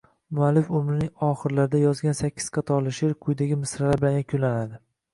Muallif umrining oxirlarida yozgan sakkiz qatorli sheʼr quyidagi misralar bilan yakunlanadi